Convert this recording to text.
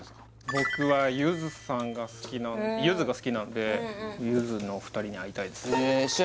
僕はゆずさんが好きなゆずが好きなんでゆずのお二人に会いたいですへえ試合